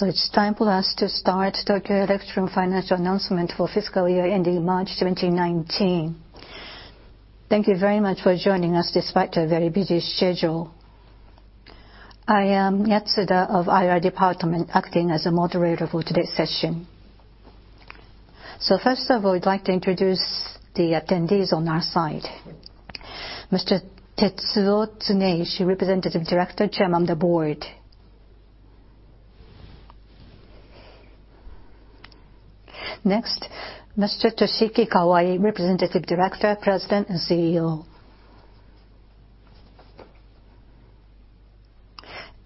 It's time for us to start Tokyo Electron financial announcement for fiscal year ending March 2019. Thank you very much for joining us despite your very busy schedule. I am Yatsuda of IR Department, acting as a moderator for today's session. First of all, I would like to introduce the attendees on our side. Mr. Tetsuo Tsuneishi, Representative Director, Chairman of the Board. Next, Mr. Toshiki Kawai, Representative Director, President and CEO.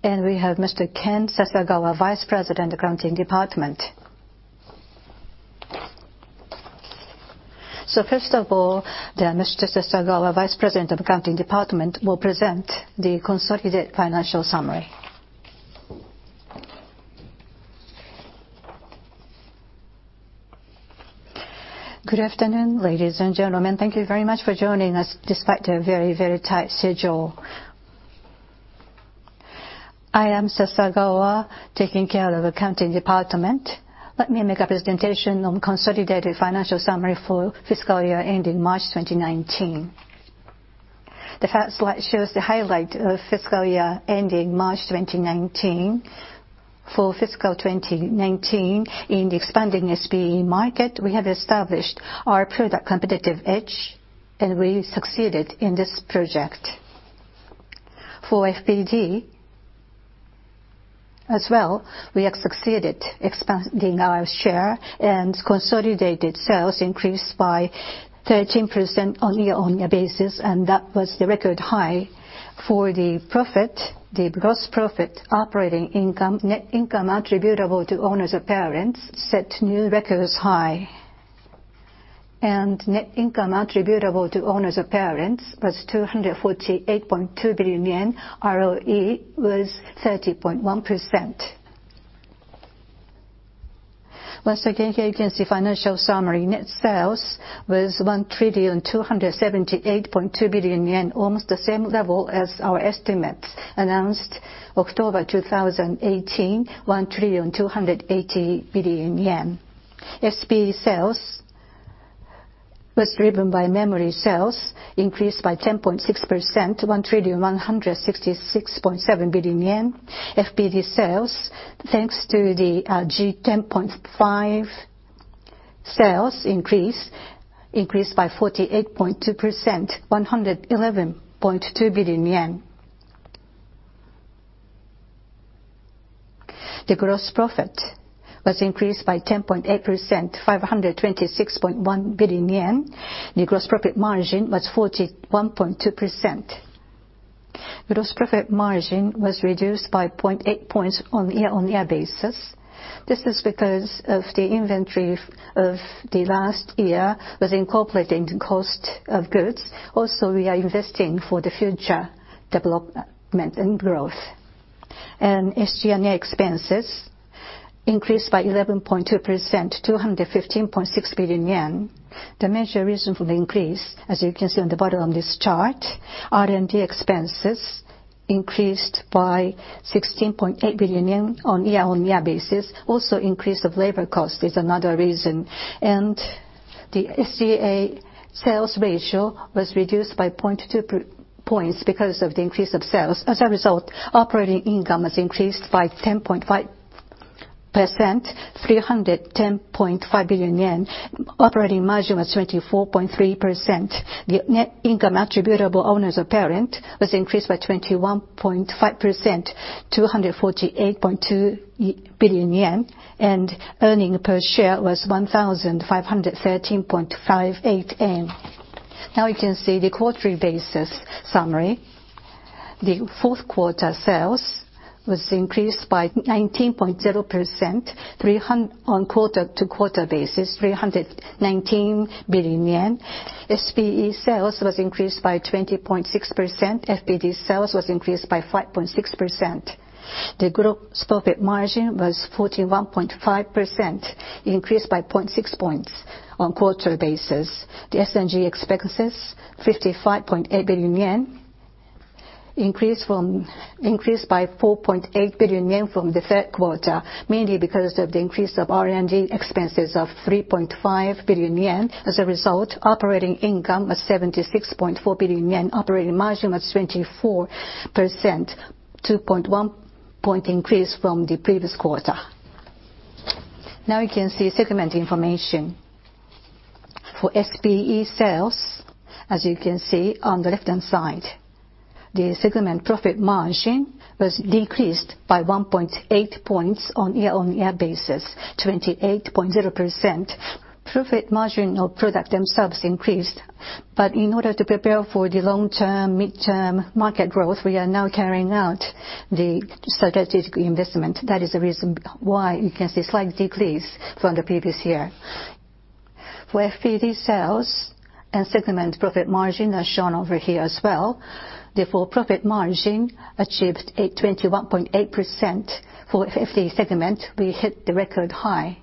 And we have Mr. Ken Sasagawa, Vice President of Accounting Department. First of all, Mr. Sasagawa, Vice President of Accounting Department, will present the consolidated financial summary. Good afternoon, ladies and gentlemen. Thank you very much for joining us despite your very, very tight schedule. I am Sasagawa, taking care of Accounting Department. Let me make a presentation on consolidated financial summary for fiscal year ending March 2019. The first slide shows the highlight of fiscal year ending March 2019. For fiscal 2019, in the expanding SPE market, we have established our product competitive edge, and we succeeded in this project. For FPD as well, we have succeeded expanding our share, and consolidated sales increased by 13% on year-on-year basis, and that was the record high. For the profit, the gross profit, operating income, net income attributable to owners of parents, set new records high. Net income attributable to owners of parents was 248.2 billion yen. ROE was 30.1%. Once again, here you can see financial summary. Net sales was 1,278.2 billion yen, almost the same level as our estimates. Announced October 2018, JPY 1,280 billion. SPE sales was driven by memory sales, increased by 10.6% to 1,166.7 billion yen. FPD sales, thanks to the G10.5 sales increase, increased by 48.2%, JPY 111.2 billion. The gross profit was increased by 10.8%, 526.1 billion yen. The gross profit margin was 41.2%. Gross profit margin was reduced by 0.8 points on year-on-year basis. This is because of the inventory of the last year was incorporating the cost of goods. Also, we are investing for the future development and growth. SG&A expenses increased by 11.2%, 215.6 billion yen. The major reason for the increase, as you can see on the bottom of this chart, R&D expenses increased by 16.8 billion yen on year-on-year basis. Also, increase of labor cost is another reason. The SG&A sales ratio was reduced by 0.2 points because of the increase of sales. As a result, operating income was increased by 10.5%, 310.5 billion yen. Operating margin was 24.3%. The net income attributable to owners of parent was increased by 21.5%, 248.2 billion yen. Earnings per share was 1,513.58 yen. Now you can see the quarterly basis summary. The fourth quarter sales was increased by 19.0% on quarter-over-quarter basis, 319 billion yen. SPE sales was increased by 20.6%. FPD sales was increased by 5.6%. The group's profit margin was 41.5%, increased by 0.6 points on quarterly basis. The SG&A expenses, 55.8 billion yen, increased by 4.8 billion yen from the third quarter, mainly because of the increase of R&D expenses of 3.5 billion yen. As a result, operating income was 76.4 billion yen. Operating margin was 24%, 2.1 point increase from the previous quarter. Now you can see segment information. For SPE sales, as you can see on the left-hand side, the segment profit margin was decreased by 1.8 points on year-on-year basis, 28.0%. Profit margin of product themselves increased. In order to prepare for the long-term, mid-term market growth, we are now carrying out the strategic investment. That is the reason why you can see slight decrease from the previous year. For FPD sales and segment profit margin, as shown over here as well, the full profit margin achieved a 21.8% for FPD segment. We hit the record high.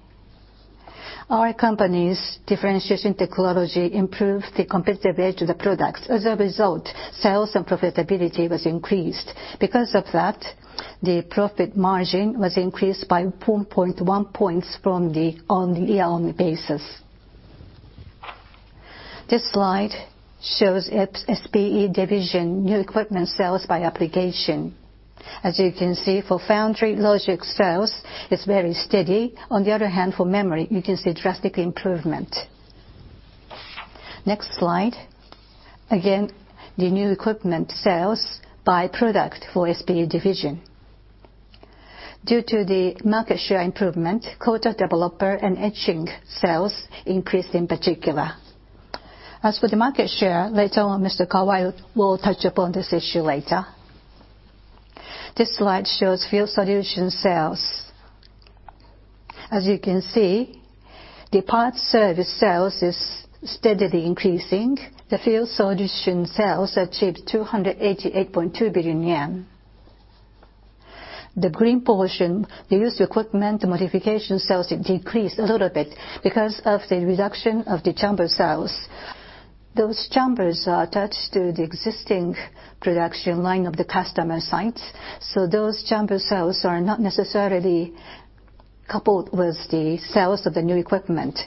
Our company's differentiation technology improved the competitive edge of the products. As a result, sales and profitability was increased. The profit margin was increased by 4.1 points from the on-year basis. This slide shows its SPE division new equipment sales by application. As you can see for foundry logic sales, it's very steady. For memory, you can see a drastic improvement. Next slide. The new equipment sales by product for SPE division. Due to the market share improvement, coater/developer and etching sales increased in particular. As for the market share, later on, Mr. Kawai will touch upon this issue later. This slide shows Field Solutions sales. As you can see, the part service sales is steadily increasing. The Field Solutions sales achieved 288.2 billion yen. The green portion, the used equipment modification sales decreased a little bit because of the reduction of the chamber sales. Those chambers are attached to the existing production line of the customer sites, so those chamber sales are not necessarily coupled with the sales of the new equipment.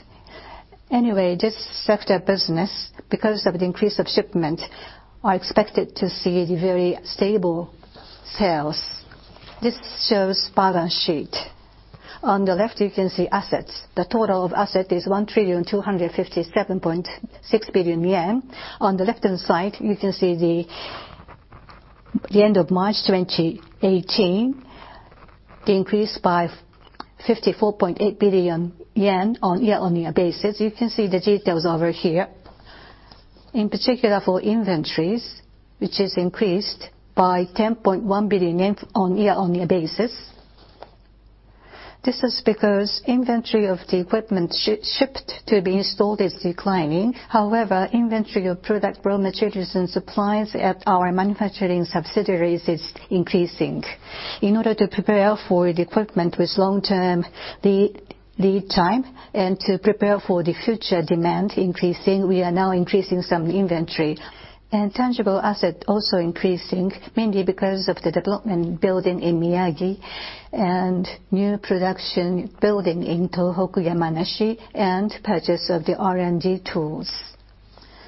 This sector business, because of the increase of shipment, are expected to see very stable sales. This shows balance sheet. On the left, you can see assets. The total of assets is 1,257.6 billion yen. On the left-hand side, you can see the end of March 2018, the increase by 54.8 billion yen on year-on-year basis. You can see the details over here. In particular for inventories, which is increased by 10.1 billion yen on year-on-year basis. This is because inventory of the equipment shipped to be installed is declining. Inventory of product raw materials and supplies at our manufacturing subsidiaries is increasing. In order to prepare for the equipment with long-term lead time and to prepare for the future demand increasing, we are now increasing some inventory. Tangible assets also increasing mainly because of the development building in Miyagi and new production building in Tohoku, Yamanashi, and purchase of the R&D tools.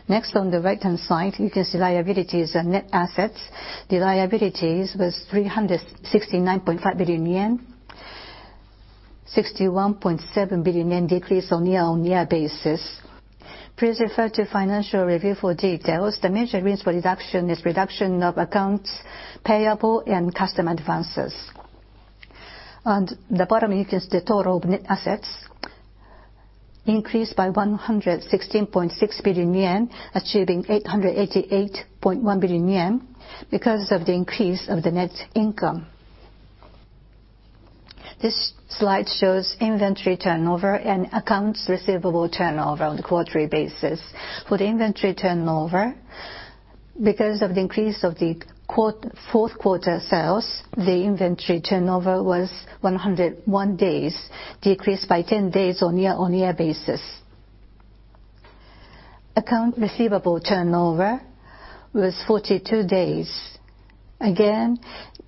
On the right-hand side, you can see liabilities and net assets. The liabilities was 369.5 billion yen, 61.7 billion yen decrease on year-on-year basis. Please refer to financial review for details. The major reason for reduction is reduction of accounts payable and customer advances. On the bottom, you can see the total net assets increased by 116.6 billion yen, achieving 888.1 billion yen, because of the increase of the net income. This slide shows inventory turnover and accounts receivable turnover on the quarterly basis. For the inventory turnover, because of the increase of the fourth quarter sales, the inventory turnover was 101 days, decreased by 10 days on year-on-year basis. Accounts receivable turnover was 42 days.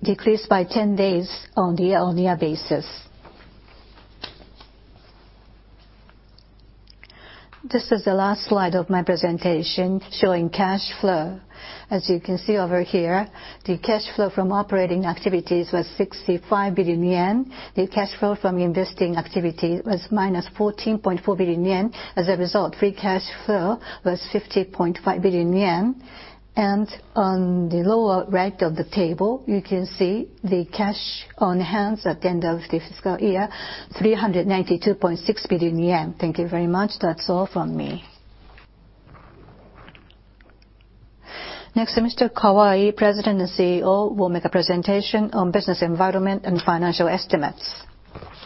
Decreased by 10 days on the year-on-year basis. This is the last slide of my presentation, showing cash flow. As you can see over here, the cash flow from operating activities was 65 billion yen. The cash flow from investing activity was minus 14.4 billion yen. Free cash flow was 50.5 billion yen. On the lower right of the table, you can see the cash on hand at the end of the fiscal year, 392.6 billion yen. Thank you very much. That's all from me. Next, Mr. Kawai, President and CEO, will make a presentation on business environment and financial estimates.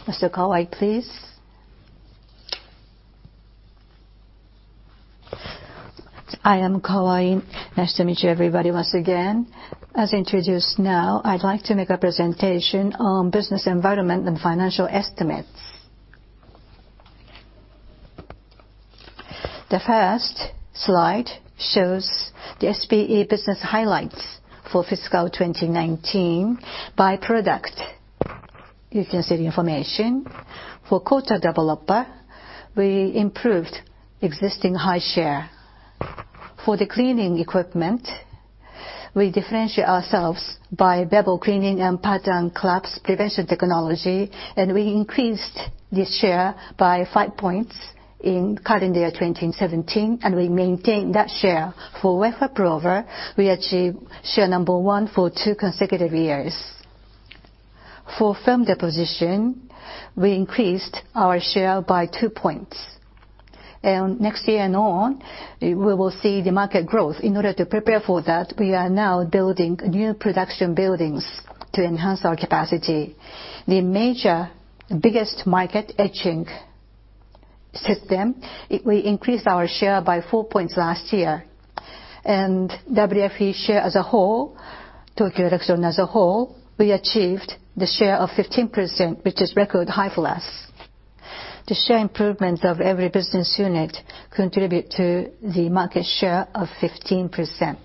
Mr. Kawai, please. I am Kawai. Nice to meet you everybody, once again. As introduced now, I'd like to make a presentation on business environment and financial estimates. The first slide shows the SPE business highlights for fiscal 2019 by product. You can see the information. For coater/developer, we improved existing high share. For the cleaning equipment, we differentiate ourselves by bevel cleaning and pattern collapse prevention technology, we increased the share by 5 points in current year 2017, and we maintained that share. For wafer prober, we achieved share number 1 for 2 consecutive years. For film deposition, we increased our share by 2 points. Next year and on, we will see the market growth. In order to prepare for that, we are now building new production buildings to enhance our capacity. The major, biggest market etching system, we increased our share by 4 points last year. WFE share as a whole, Tokyo Electron as a whole, we achieved the share of 15%, which is record high for us. The share improvement of every business unit contribute to the market share of 15%.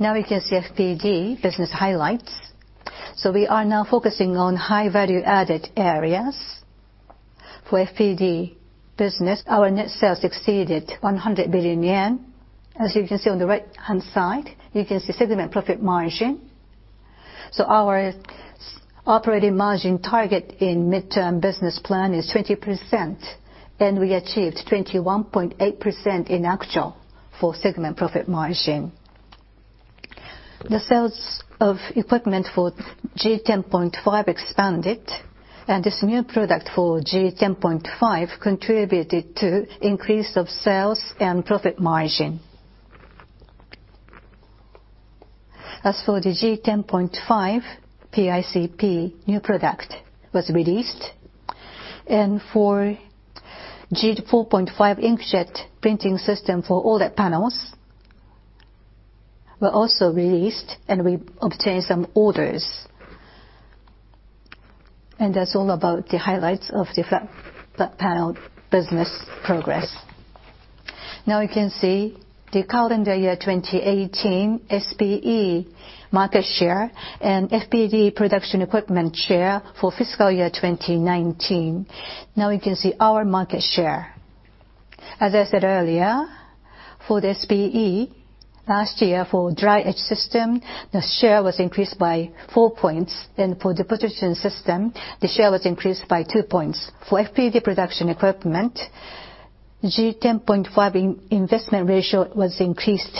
Now we can see FPD business highlights. For FPD business, our net sales exceeded 100 billion yen. As you can see on the right-hand side, you can see segment profit margin. Our operating margin target in midterm business plan is 20%, and we achieved 21.8% in actual for segment profit margin. The sales of equipment for G10.5 expanded, and this new product for G10.5 contributed to increase of sales and profit margin. As for the G10.5, PICP new product was released, and for G4.5 inkjet printing system for OLED panels, were also released, and we obtained some orders. That's all about the highlights of the FPD business progress. Now you can see the calendar year 2018, SPE market share and FPD production equipment share for fiscal year 2019. Now you can see our market share. As I said earlier, for the SPE, last year for dry etch system, the share was increased by 4 points, and for deposition system, the share was increased by 2 points. For FPD production equipment, G10.5 investment ratio was increased,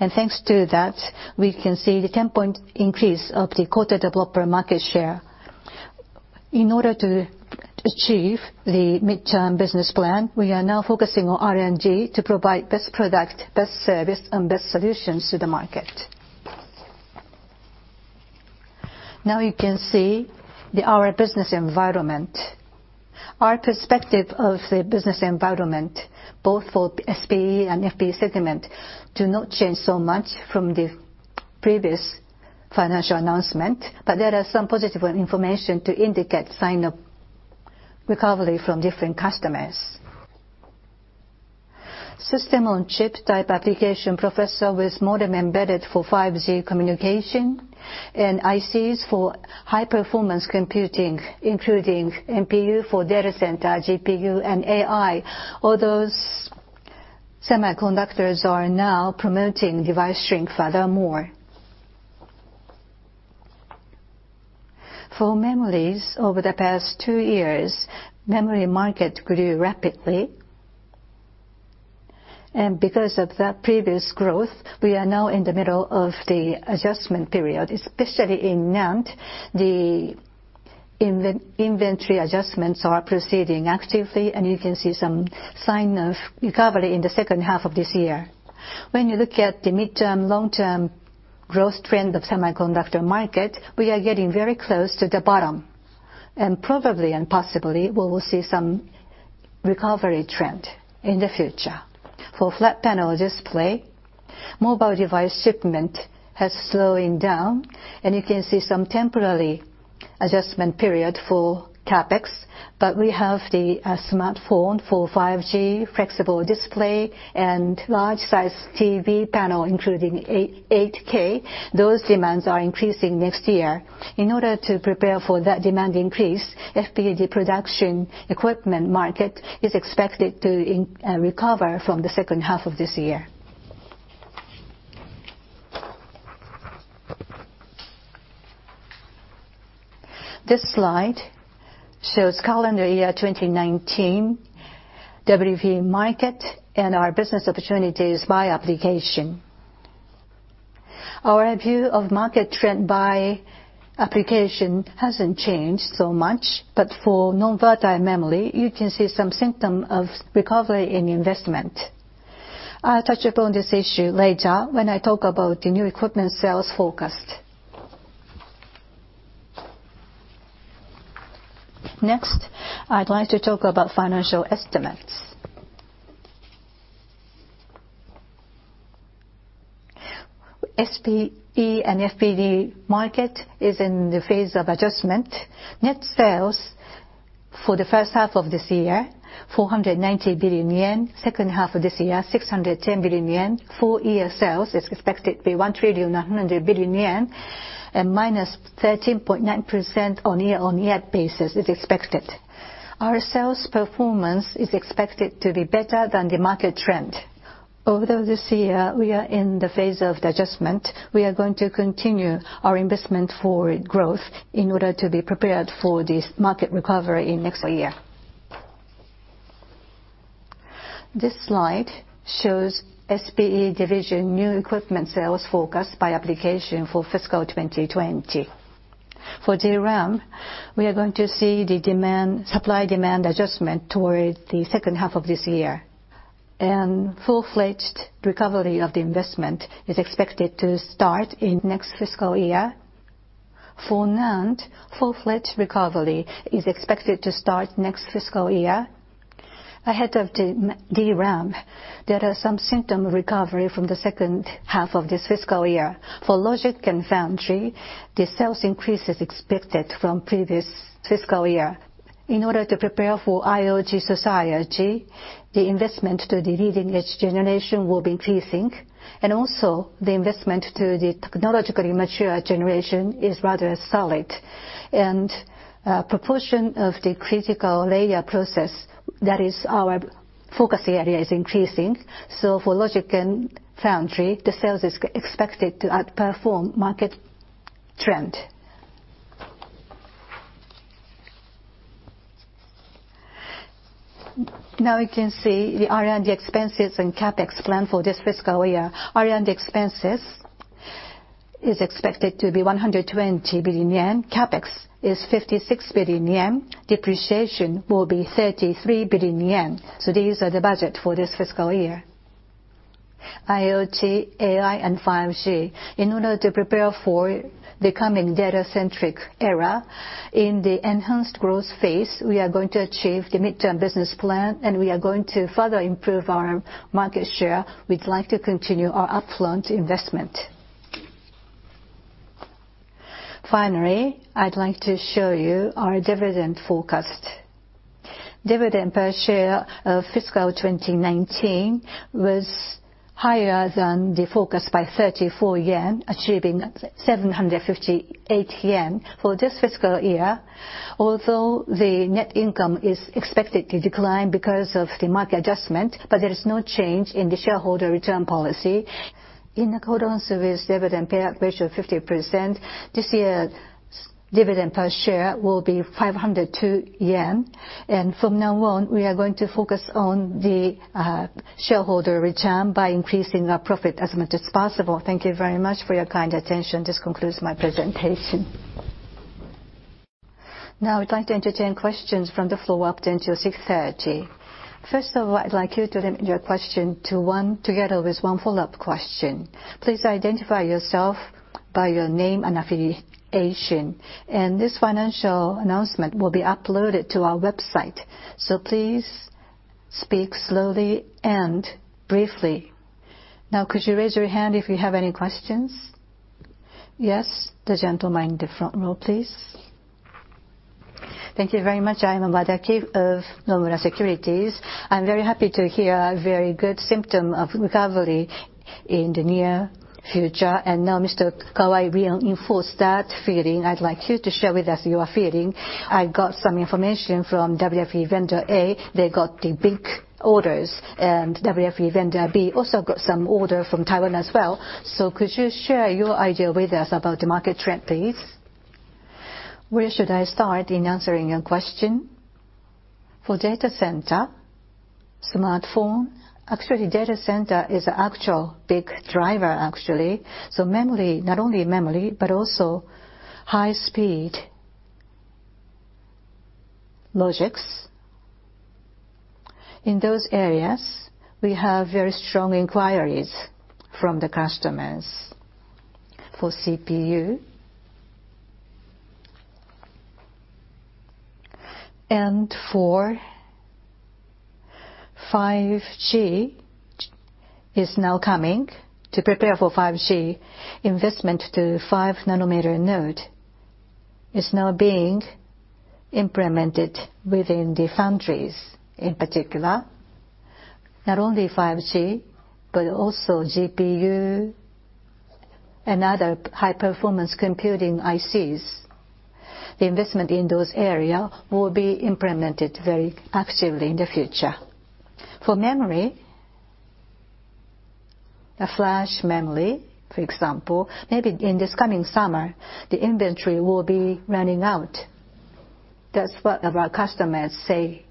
and thanks to that, we can see the 10-point increase of the coater/developer market share. In order to achieve the midterm business plan, we are now focusing on R&D to provide best product, best service, and best solutions to the market. Now you can see our business environment. Our perspective of the business environment, both for SPE and FPD segment, do not change so much from the previous financial announcement, but there are some positive information to indicate sign of recovery from different customers. System-on-chip type application processor with modem embedded for 5G communication and ICs for high performance computing, including NPU for data center, GPU, and AI. All those semiconductors are now promoting device shrink furthermore. For memories over the past two years, memory market grew rapidly. Because of that previous growth, we are now in the middle of the adjustment period, especially in NAND. The inventory adjustments are proceeding actively, and you can see some sign of recovery in the second half of this year. When you look at the midterm, long-term growth trend of semiconductor market, we are getting very close to the bottom, and probably and possibly, we will see some recovery trend in the future. For flat panel display, mobile device shipment has slowing down, and you can see some temporarily adjustment period for CapEx, but we have the smartphone for 5G, flexible display, and large size TV panel, including 8K. Those demands are increasing next year. In order to prepare for that demand increase, FPD production equipment market is expected to recover from the second half of this year. This slide shows calendar year 2019, WFE market, and our business opportunities by application. Our view of market trend by application hasn't changed so much, but for non-volatile memory, you can see some symptom of recovery in investment. I'll touch upon this issue later when I talk about the new equipment sales forecast. Next, I'd like to talk about financial estimates. SPE and FPD market is in the phase of adjustment. Net sales for the first half of this year, 490 billion yen. Second half of this year, 610 billion yen. Full year sales is expected to be 1,900 billion yen and -13.9% on a year-over-year basis is expected. Our sales performance is expected to be better than the market trend. This year we are in the phase of the adjustment, we are going to continue our investment for growth in order to be prepared for this market recovery in next year. This slide shows SPE division new equipment sales forecast by application for fiscal year 2020. For DRAM, we are going to see the supply-demand adjustment towards the second half of this year, and full-fledged recovery of the investment is expected to start in next fiscal year. For NAND, full-fledged recovery is expected to start next fiscal year. Ahead of DRAM, there are some symptom recovery from the second half of this fiscal year. For logic and foundry, the sales increase is expected from previous fiscal year. In order to prepare for IoT society, the investment to the leading-edge generation will be increasing, and also the investment to the technologically mature generation is rather solid. A proportion of the critical layer process, that is our focus area, is increasing. For logic and foundry, the sales is expected to outperform market trend. Now you can see the R&D expenses and CapEx plan for this fiscal year. R&D expenses is expected to be 120 billion yen. CapEx is 56 billion yen. Depreciation will be 33 billion yen. These are the budget for this fiscal year. IoT, AI, and 5G. In order to prepare for the coming data-centric era in the enhanced growth phase, we are going to achieve the midterm business plan, and we are going to further improve our market share. We'd like to continue our upfront investment. Finally, I'd like to show you our dividend forecast. Dividend per share of fiscal year 2019 was higher than the forecast by 34 yen, achieving 758 yen. For this fiscal year, although the net income is expected to decline because of the market adjustment, there is no change in the shareholder return policy. In accordance with dividend payout ratio 50%, this year dividend per share will be 502 yen. From now on, we are going to focus on the shareholder return by increasing our profit as much as possible. Thank you very much for your kind attention. This concludes my presentation. Now I'd like to entertain questions from the floor up until 6:30 P.M. First of all, I'd like you to limit your question to one together with one follow-up question. Please identify yourself by your name and affiliation. This financial announcement will be uploaded to our website, please speak slowly and briefly. Now, could you raise your hand if you have any questions? Yes, the gentleman in the front row, please. Thank you very much. I am Amada Keith of Nomura Securities. I'm very happy to hear a very good symptom of recovery in the near future. Now, Mr. Kawai reinforced that feeling. I'd like you to share with us your feeling. I got some information from WFE Vendor A. They got the big orders, WFE Vendor B also got some order from Taiwan as well. Could you share your idea with us about the market trend, please? Where should I start in answering your question? For data center, smartphone, actually data center is an actual big driver. Memory, not only memory, but also high speed logics. In those areas, we have very strong inquiries from the customers. For CPU. For 5G is now coming. To prepare for 5G, investment to 5 nanometer node is now being implemented within the foundries, in particular. Not only 5G, but also GPU and other high-performance computing ICs. The investment in those area will be implemented very actively in the future. For memory, flash memory, for example, maybe in this coming summer, the inventory will be running out. That's what our customers say.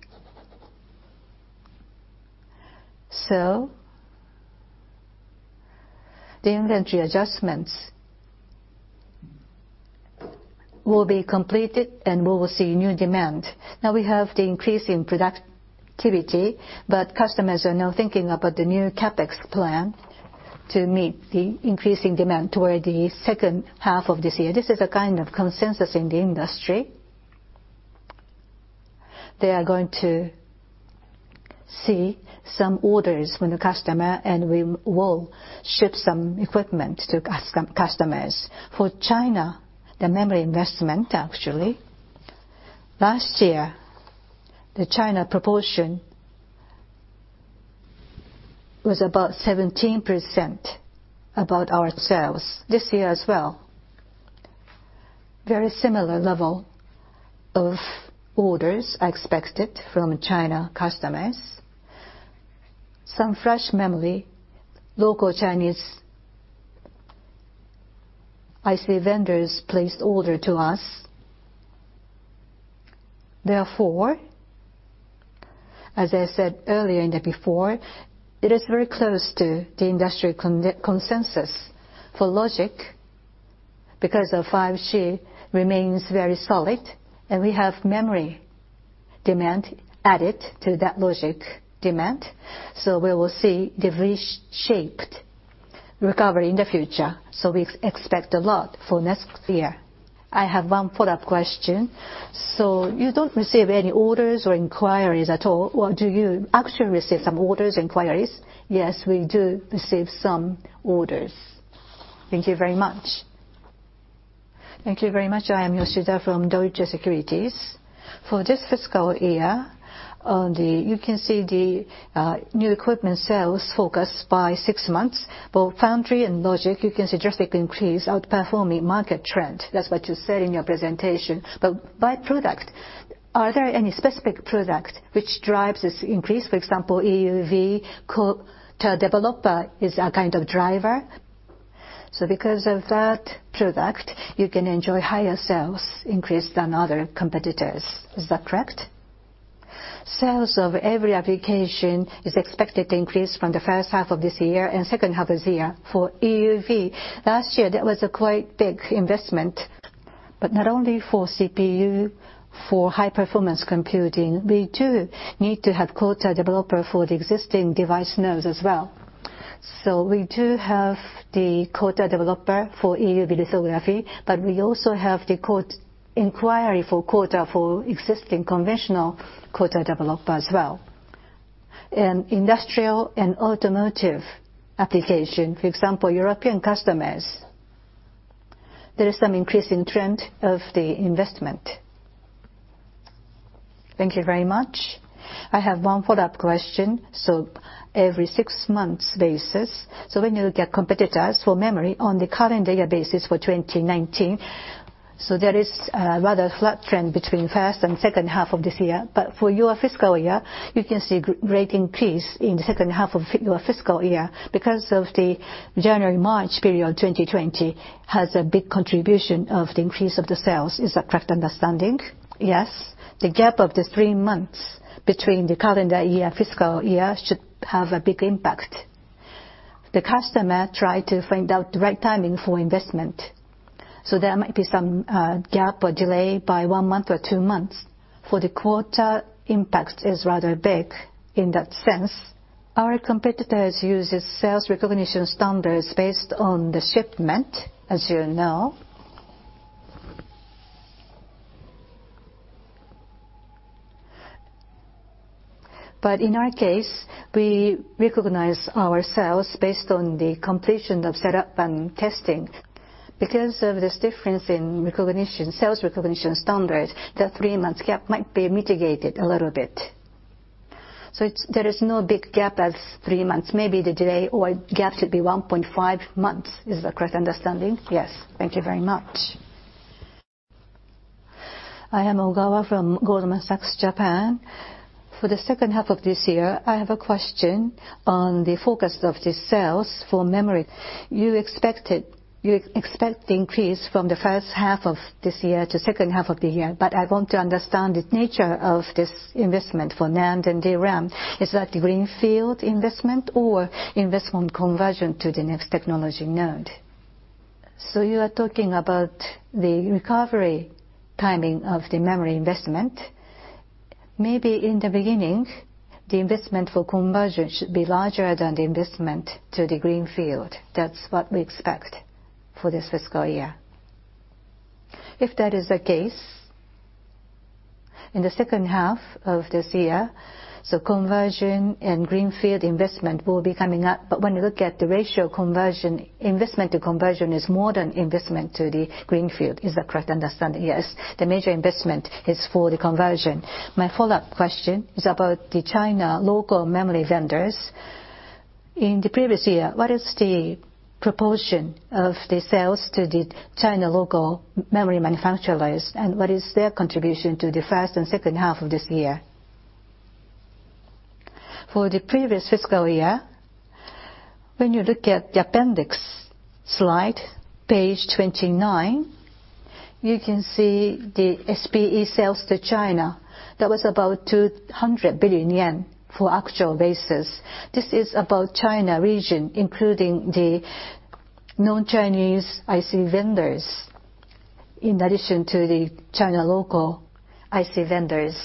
The inventory adjustments will be completed, we will see new demand. Now we have the increase in productivity, but customers are now thinking about the new CapEx plan to meet the increasing demand toward the second half of this year. This is a kind of consensus in the industry. They are going to see some orders from the customer, we will ship some equipment to customers. For China, the memory investment, actually, last year, the China proportion was about 17% above our sales. This year as well, very similar level of orders are expected from China customers. Some flash memory, local Chinese IC vendors placed order to us. As I said earlier before, it is very close to the industry consensus. For logic, because of 5G, remains very solid, we have memory demand added to that logic demand. We will see the V-shaped recovery in the future. We expect a lot for next year. I have one follow-up question. You don't receive any orders or inquiries at all, or do you actually receive some orders, inquiries? Yes, we do receive some orders. Thank you very much. Thank you very much. I am Yoshida from Deutsche Securities. For this fiscal year, you can see the new equipment sales focused by six months. For foundry and logic, you can see drastic increase outperforming market trend. That's what you said in your presentation. By product, are there any specific product which drives this increase? For example, EUV coater/developer is a kind of driver. Because of that product, you can enjoy higher sales increase than other competitors. Is that correct? Sales of every application is expected to increase from the first half of this year and second half of this year. For EUV, last year, that was a quite big investment, but not only for CPU, for high-performance computing, we too need to have coater/developer for the existing device nodes as well. We do have the coater/developer for EUV lithography, but we also have the inquiry for coater for existing conventional coater/developer as well. In industrial and automotive application, for example, European customers, there is some increasing trend of the investment. Thank you very much. I have one follow-up question. Every six months basis. When you look at competitors for memory on the current data basis for 2019, there is a rather flat trend between first and second half of this year. For your fiscal year, you can see great increase in the second half of your fiscal year because of the January-March period 2020 has a big contribution of the increase of the sales. Is that correct understanding? Yes. The gap of the three months between the calendar year, fiscal year should have a big impact. The customer try to find out the right timing for investment. There might be some gap or delay by one month or two months. For the quarter, impact is rather big in that sense. Our competitors uses sales recognition standards based on the shipment, as you know. In our case, we recognize our sales based on the completion of setup and testing. Because of this difference in sales recognition standard, that three months gap might be mitigated a little bit. There is no big gap as three months. Maybe the delay or gap should be 1.5 months. Is that correct understanding? Yes. Thank you very much. I am Ogawa from Goldman Sachs Japan. For the second half of this year, I have a question on the focus of the sales for memory. You expect the increase from the first half of this year to second half of the year, but I want to understand the nature of this investment for NAND and DRAM. Is that the greenfield investment or investment conversion to the next technology node? You are talking about the recovery timing of the memory investment. Maybe in the beginning, the investment for conversion should be larger than the investment to the greenfield. That's what we expect for this fiscal year. If that is the case, in the second half of this year, conversion and greenfield investment will be coming up. When you look at the ratio conversion, investment to conversion is more than investment to the greenfield. Is that correct understanding? Yes. The major investment is for the conversion. My follow-up question is about the China local memory vendors. In the previous year, what is the proportion of the sales to the China local memory manufacturers, and what is their contribution to the first and second half of this year? For the previous fiscal year, when you look at the appendix slide, page 29, you can see the SPE sales to China. That was about 200 billion yen for actual basis. This is about China region, including the non-Chinese IC vendors, in addition to the China local IC vendors.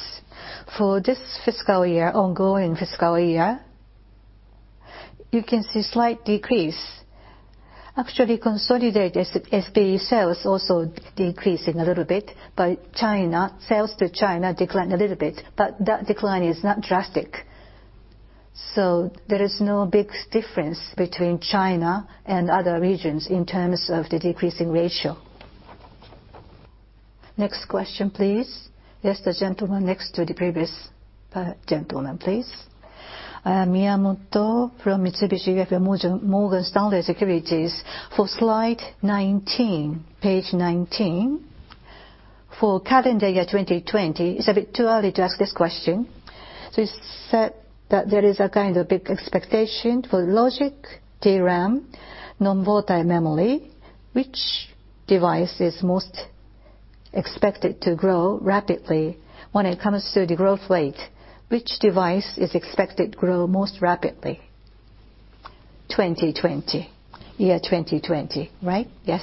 For this fiscal year, ongoing fiscal year, you can see slight decrease. Actually, consolidated SPE sales also decreasing a little bit, but sales to China declined a little bit, but that decline is not drastic. There is no big difference between China and other regions in terms of the decreasing ratio. Next question, please. Yes, the gentleman next to the previous gentleman, please. Miyamoto from Mitsubishi UFJ Morgan Stanley Securities. For slide 19, page 19, for calendar year 2020, it's a bit too early to ask this question. You said that there is a kind of big expectation for logic, DRAM, non-volatile memory. Which device is most expected to grow rapidly when it comes to the growth rate? Which device is expected to grow most rapidly? 2020. Year 2020, right? Yes.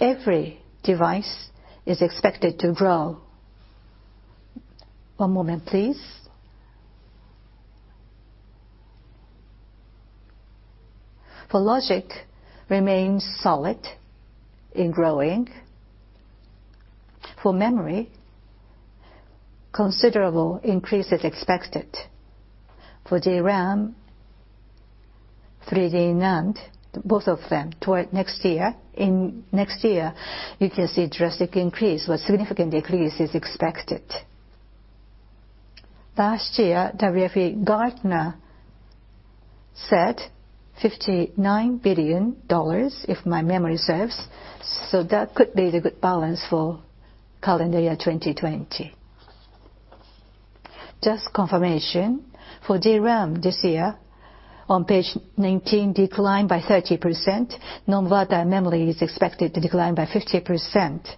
Every device is expected to grow. One moment, please. For logic, remains solid in growing. For memory, considerable increase is expected. For DRAM, 3D NAND, both of them toward next year. In next year, you can see drastic increase or significant increase is expected. Last year, WFE Gartner said $59 billion, if my memory serves. That could be the good balance for calendar year 2020. Just confirmation, for DRAM this year, on page 19, decline by 30%. Non-volatile memory is expected to decline by 50%.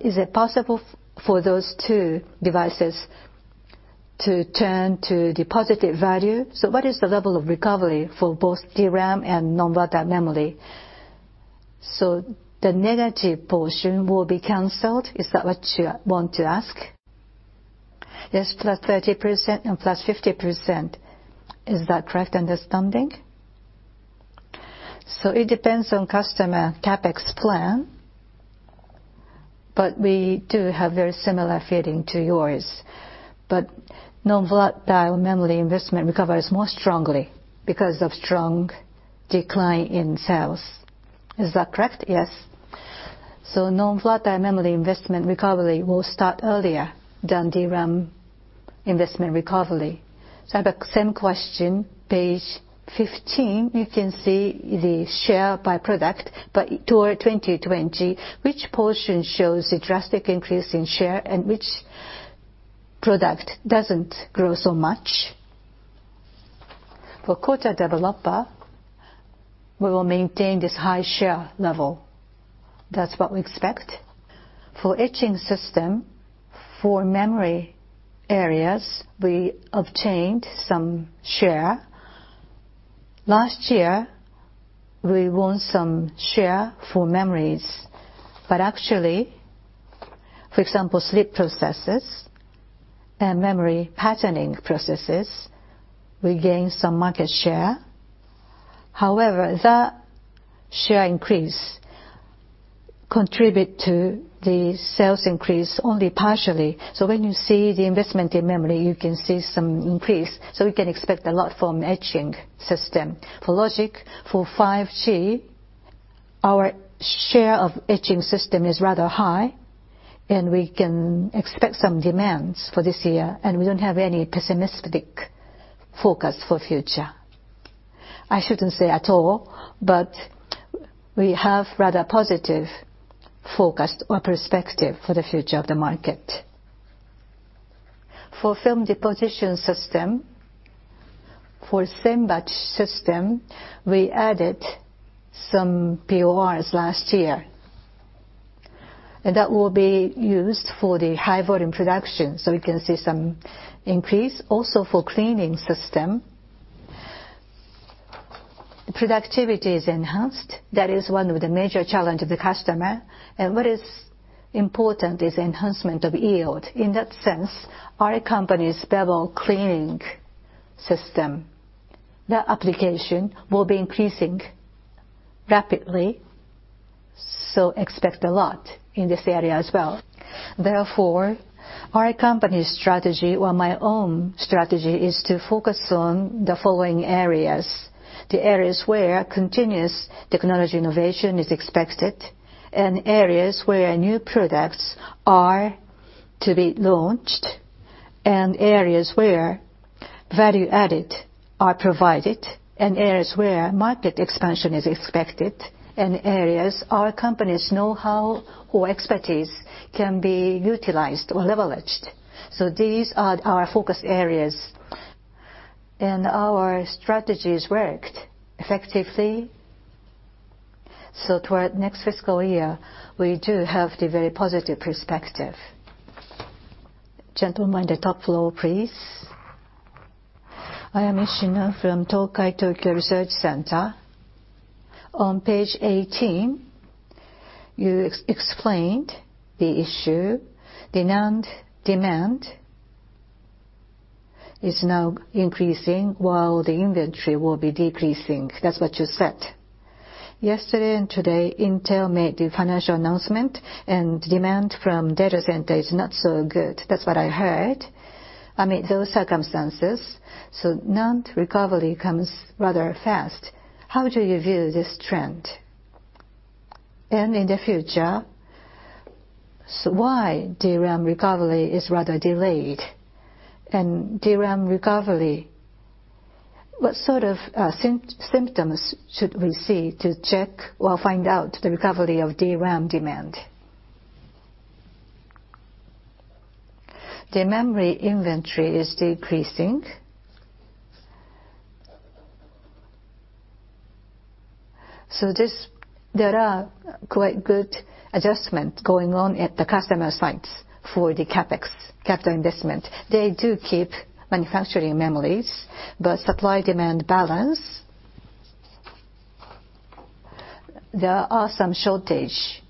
Is it possible for those two devices to turn to the positive value? What is the level of recovery for both DRAM and non-volatile memory? The negative portion will be canceled? Is that what you want to ask? Yes, +30% and +50%. Is that correct understanding? It depends on customer CapEx plan, but we do have very similar feeling to yours. Non-volatile memory investment recovers more strongly because of strong decline in sales. Is that correct? Yes. Non-volatile memory investment recovery will start earlier than DRAM investment recovery. I have that same question. Page 15, you can see the share by product, but toward 2020, which portion shows a drastic increase in share and which product doesn't grow so much? For coater/developer, we will maintain this high share level. That's what we expect. For etching system, for memory areas, we obtained some share. Last year, we won some share for memories. Actually, for example, slit processes and memory patterning processes, we gained some market share. However, that share increase contribute to the sales increase only partially. When you see the investment in memory, you can see some increase. We can expect a lot from etching system. For logic, for 5G, our share of etching system is rather high, we can expect some demands for this year. We don't have any pessimistic forecast for future. I shouldn't say at all, but we have rather positive forecast or perspective for the future of the market. For film deposition system, for semi-batch system, we added some PORs last year, that will be used for the high volume production. We can see some increase. Also for cleaning system, productivity is enhanced. That is one of the major challenge of the customer, what is important is enhancement of yield. In that sense, our company's bevel cleaning system, the application will be increasing rapidly, expect a lot in this area as well. Therefore, our company's strategy or my own strategy is to focus on the following areas. The areas where continuous technology innovation is expected, and areas where new products are to be launched, and areas where value added are provided, and areas where market expansion is expected, and areas our company's knowhow or expertise can be utilized or leveraged. These are our focus areas. Our strategies worked effectively. Toward next fiscal year, we do have the very positive perspective. Gentleman at the top floor, please. I am Ishino from Tokai Tokyo Research Center. On page 18, you explained the issue. The NAND demand is now increasing while the inventory will be decreasing. That's what you said. Yesterday and today, Intel made the financial announcement, and demand from data center is not so good. That's what I heard. I mean, those circumstances, NAND recovery comes rather fast. How do you view this trend? In the future, why DRAM recovery is rather delayed? DRAM recovery, what sort of symptoms should we see to check or find out the recovery of DRAM demand? The memory inventory is decreasing. There are quite good adjustments going on at the customer sites for the CapEx, capital investment. They do keep manufacturing memories, but supply-demand balance, there are some shortage.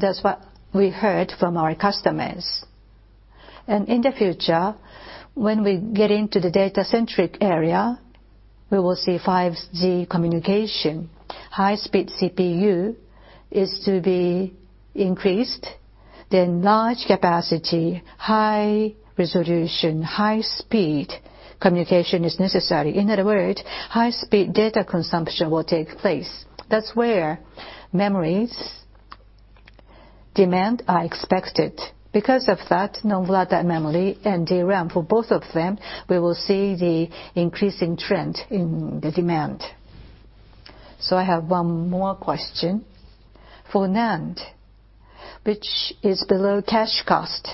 That's what we heard from our customers. In the future, when we get into the data centric area, we will see 5G communication. High speed CPU is to be increased. Large capacity, high resolution, high speed communication is necessary. In other words, high speed data consumption will take place. That's where memories demand are expected. Because of that, non-volatile memory and DRAM, for both of them, we will see the increasing trend in the demand. I have one more question. For NAND, which is below cash cost,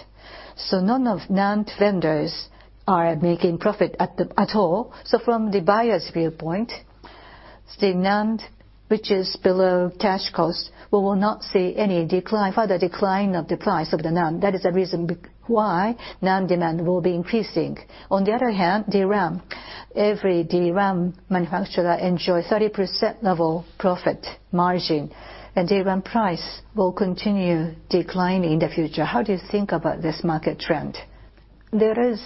none of NAND vendors are making profit at all. From the buyer's viewpoint, the NAND, which is below cash cost, we will not see any further decline of the price of the NAND. That is the reason why NAND demand will be increasing. On the other hand, DRAM. Every DRAM manufacturer enjoys 30% level profit margin, and DRAM price will continue declining in the future. How do you think about this market trend? There is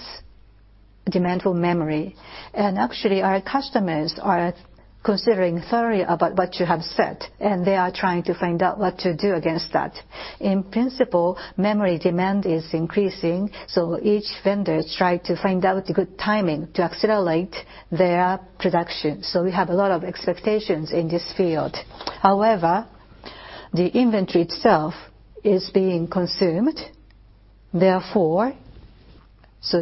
demand for memory, and actually our customers are considering thoroughly about what you have said, and they are trying to find out what to do against that. In principle, memory demand is increasing, each vendor is trying to find out the good timing to accelerate their production. We have a lot of expectations in this field. However, the inventory itself is being consumed. Therefore,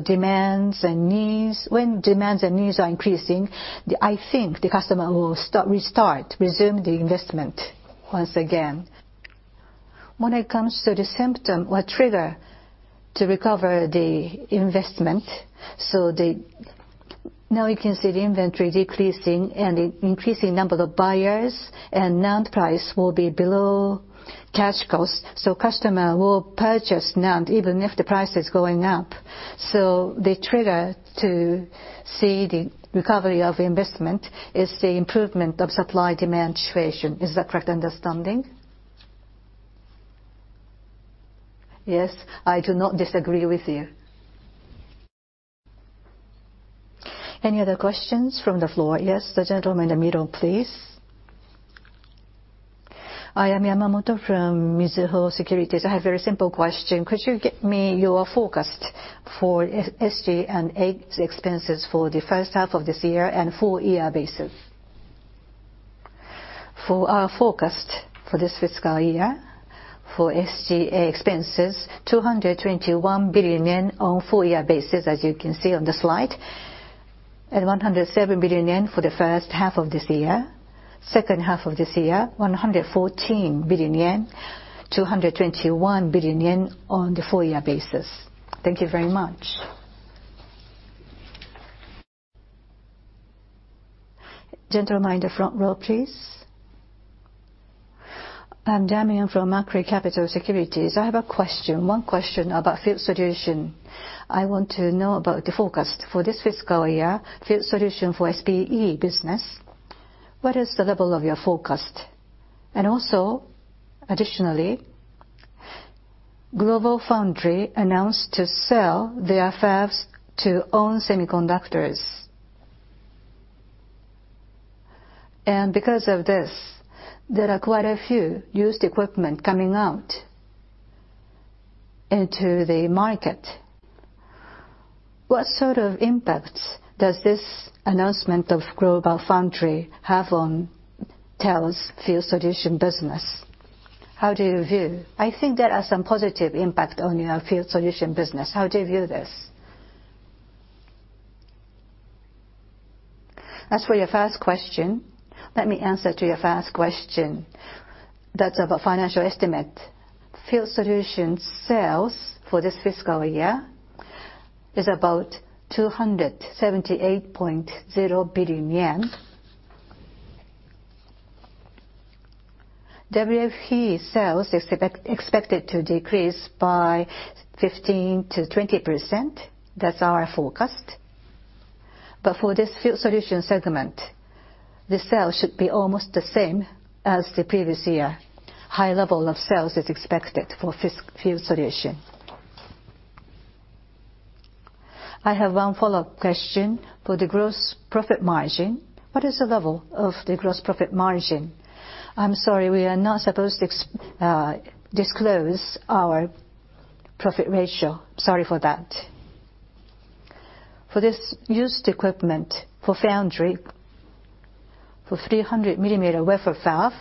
demands and needs, when demands and needs are increasing, I think the customer will restart, resume the investment once again. When it comes to the symptom or trigger to recover the investment, now we can see the inventory decreasing and the increasing number of buyers, and NAND price will be below cash cost. Customer will purchase NAND even if the price is going up. The trigger to see the recovery of investment is the improvement of supply-demand situation. Is that correct understanding? Yes. I do not disagree with you. Any other questions from the floor? Yes, the gentleman in the middle, please. I am Yamamoto from Mizuho Securities. I have a very simple question. Could you give me your forecast for SG&A expenses for the first half of this year and full year basis? For our forecast for this fiscal year, for SG&A expenses, 221 billion yen on full year basis, as you can see on the slide. 107 billion yen for the first half of this year. Second half of this year, 114 billion yen, 221 billion yen on the full year basis. Thank you very much. Gentleman in the front row, please. I'm Damian from Macquarie Capital Securities. I have a question, one question about Field Solutions. I want to know about the forecast for this fiscal year, Field Solutions for SPE business. What is the level of your forecast? Additionally, GlobalFoundries announced to sell their fabs to ON Semiconductor. Because of this, there are quite a few used equipment coming out into the market. What sort of impact does this announcement of GlobalFoundries have on TEL's Field Solutions business? How do you view? I think there are some positive impact on our Field Solutions business. How do you view this? As for your first question, let me answer to your first question. That's about financial estimate. Field Solutions sales for this fiscal year is about 278.0 billion yen. WFE sales is expected to decrease by 15%-20%. That's our forecast. For this Field Solutions segment, the sales should be almost the same as the previous year. High level of sales is expected for Field Solutions. I have one follow-up question. For the gross profit margin, what is the level of the gross profit margin? I'm sorry, we are not supposed to disclose our profit ratio. Sorry for that. For this used equipment for foundry, for 300 millimeter wafer fab,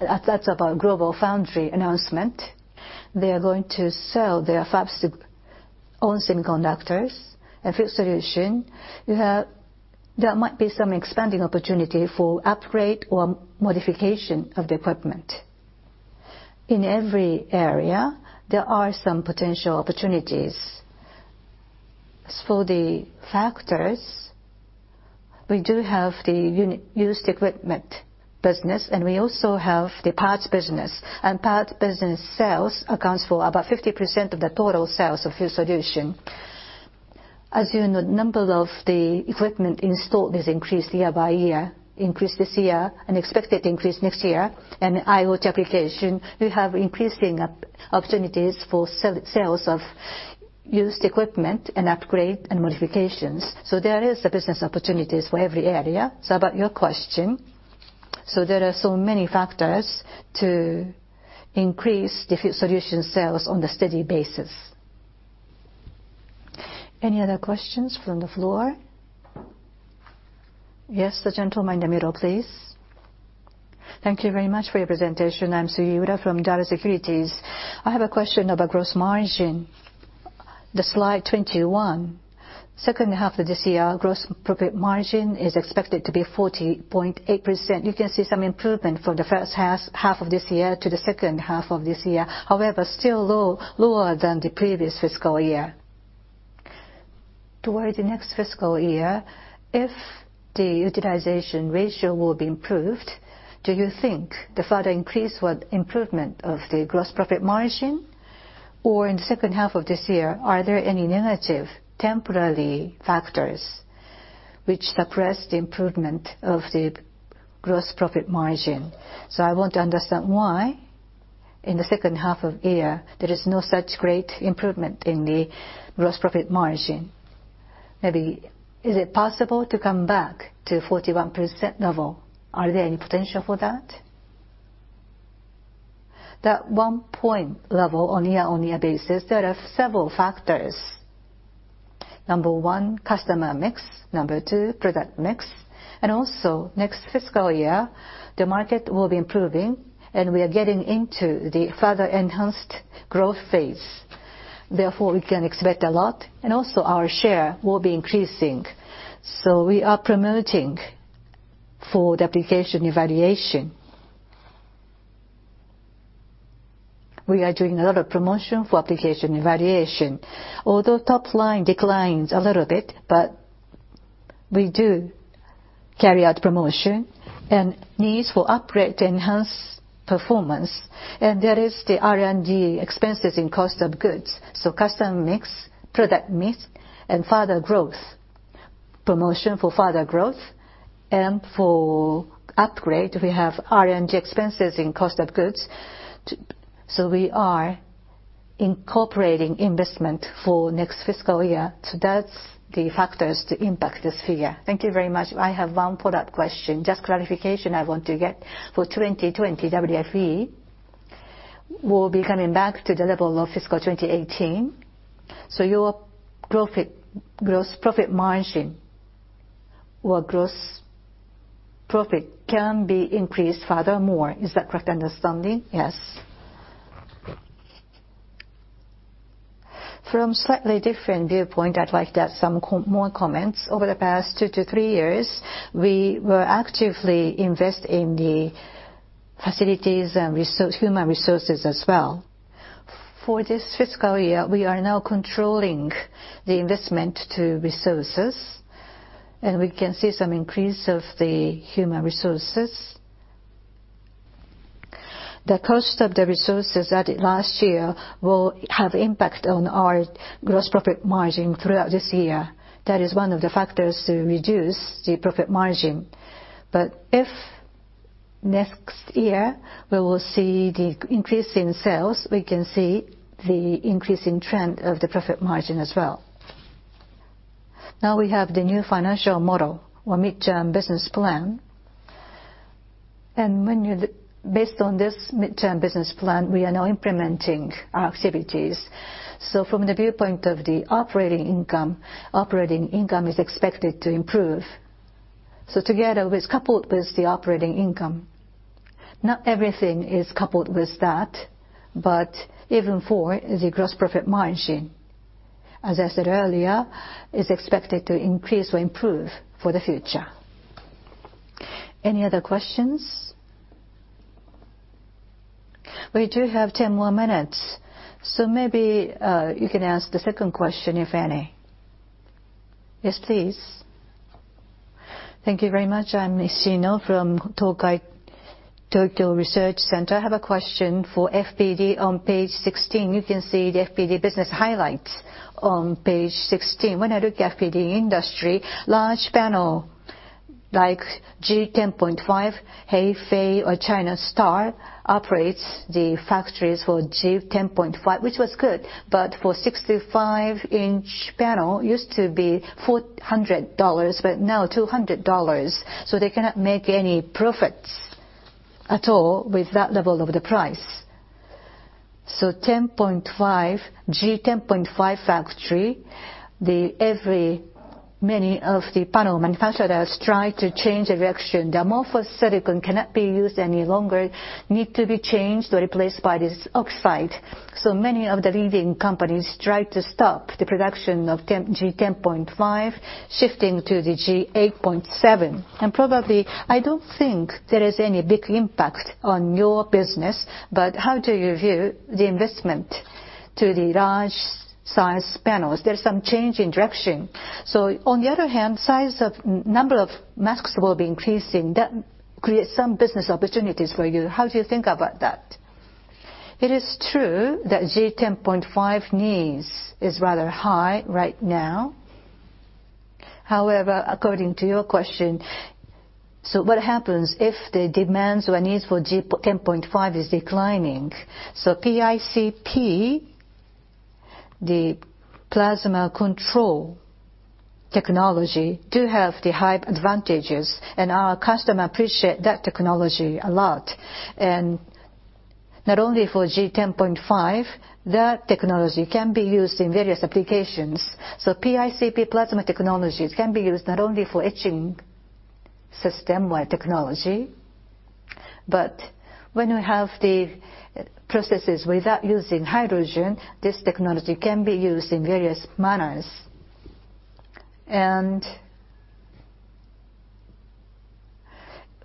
that's about GlobalFoundries announcement. They are going to sell their fabs to ON Semiconductor. At Field Solutions, there might be some expanding opportunity for upgrade or modification of the equipment. In every area, there are some potential opportunities. As for the factors, we do have the used equipment business, we also have the parts business. Parts business sales accounts for about 50% of the total sales of Field Solutions. As you know, the number of the equipment installed has increased year-over-year, increased this year, and expected increase next year. IoT application, we have increasing opportunities for sales of used equipment, upgrade, and modifications. There is business opportunities for every area. About your question, there are so many factors to increase the Field Solutions sales on the steady basis. Any other questions from the floor? Yes, the gentleman in the middle, please. Thank you very much for your presentation.. I have a question about gross margin. The slide 21, second half of this year, gross profit margin is expected to be 40.8%. You can see some improvement from the first half of this year to the second half of this year, still lower than the previous fiscal year. Toward the next fiscal year, if the utilization ratio will be improved, do you think the further increase would improvement of the gross profit margin? In the second half of this year, are there any negative temporary factors which suppress the improvement of the gross profit margin? I want to understand why, in the second half of year, there is no such great improvement in the gross profit margin. Maybe is it possible to come back to 41% level? Are there any potential for that? That 1 point level on year-over-year basis, there are several factors. Number one, customer mix. Number two, product mix. Also, next fiscal year, the market will be improving and we are getting into the further enhanced growth phase. Therefore, we can expect a lot. Also, our share will be increasing. We are promoting for the application evaluation. We are doing a lot of promotion for application evaluation. Although top line declines a little bit, but we do carry out promotion and needs for upgrade to enhance performance. There is the R&D expenses in cost of goods. Customer mix, product mix, and further growth. Promotion for further growth and for upgrade, we have R&D expenses in cost of goods. We are incorporating investment for next fiscal year. That is the factors to impact this figure. Thank you very much. I have one follow-up question, just clarification I want to get. For 2020, WFE will be coming back to the level of fiscal 2018, your gross profit margin or gross profit can be increased furthermore. Is that correct understanding? Yes. From slightly different viewpoint, I would like to add some more comments. Over the past two to three years, we were actively invest in the facilities and human resources as well. For this fiscal year, we are now controlling the investment to resources, and we can see some increase of the human resources. The cost of the resources added last year will have impact on our gross profit margin throughout this year. That is one of the factors to reduce the profit margin. If next year, we will see the increase in sales, we can see the increasing trend of the profit margin as well. Now we have the new financial model or mid-term business plan. Based on this mid-term business plan, we are now implementing our activities. From the viewpoint of the operating income, operating income is expected to improve. Together with, coupled with the operating income. Not everything is coupled with that, but even for the gross profit margin, as I said earlier, is expected to increase or improve for the future. Any other questions? We do have 10 more minutes, so maybe you can ask the second question, if any. Yes, please. Thank you very much. I am Ishino from Tokai Tokyo Research Center. I have a question for FPD on page 16. You can see the FPD business highlights on page 16. When I look at FPD industry, large panel, like G10.5, Hefei or China Star operates the factories for G10.5, which was good. For 65-inch panel, used to be JPY 400, but now JPY 200, so they cannot make any profits at all with that level of the price. G10.5 factory, many of the panel manufacturers try to change direction. The amorphous silicon cannot be used any longer, need to be changed or replaced by this oxide. Many of the leading companies try to stop the production of G10.5, shifting to the G8.7. Probably, I do not think there is any big impact on your business, but how do you view the investment to the large size panels? There is some change in direction. On the other hand, size of number of masks will be increasing. That creates some business opportunities for you. How do you think about that? It is true that Gen 10.5 needs is rather high right now. According to your question, what happens if the demands or needs for Gen 10.5 is declining? PICP, the plasma control technology, do have the high advantages, and our customer appreciate that technology a lot. Not only for Gen 10.5, that technology can be used in various applications. PICP plasma technologies can be used not only for etching system-wide technology, but when we have the processes without using hydrogen, this technology can be used in various manners.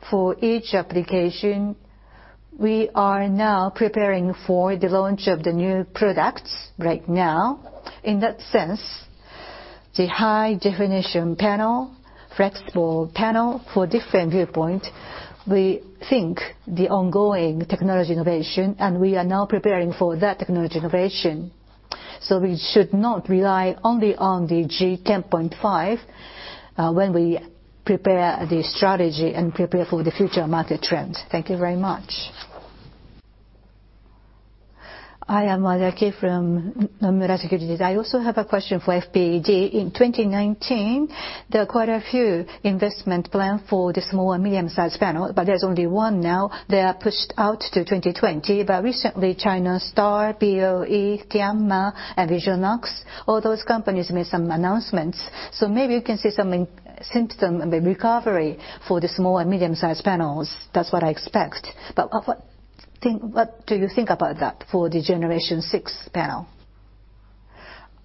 For each application, we are now preparing for the launch of the new products right now. In that sense, the high-definition panel, flexible panel for different viewpoint, we think the ongoing technology innovation, and we are now preparing for that technology innovation. We should not rely only on the Gen 10.5 when we prepare the strategy and prepare for the future market trends. Thank you very much. I am Araki from Nomura Securities. I also have a question for FPD. In 2019, there are quite a few investment plan for the small and medium-sized panel, there's only one now. They are pushed out to 2020. Recently, China Star, BOE, Tianma, and Visionox, all those companies made some announcements. Maybe you can see some symptom of a recovery for the small and medium-sized panels. That's what I expect. What do you think about that for the generation 6 panel?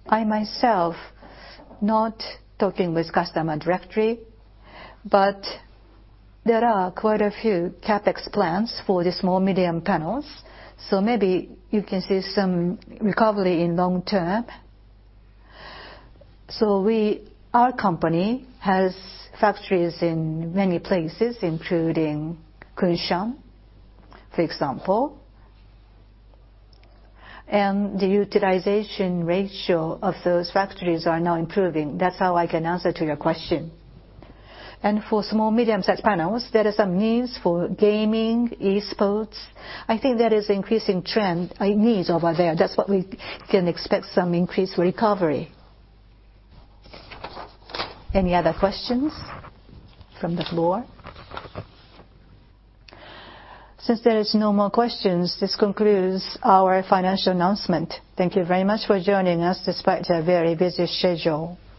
I myself, not talking with customer directly, there are quite a few CapEx plans for the small, medium panels, maybe you can see some recovery in long term. Our company has factories in many places, including Kunshan, for example, and the utilization ratio of those factories are now improving. That's how I can answer to your question. For small, medium-sized panels, there is some needs for gaming, esports. I think there is increasing trend, needs over there. That's what we can expect some increased recovery. Any other questions from the floor? Since there is no more questions, this concludes our financial announcement. Thank you very much for joining us despite a very busy schedule.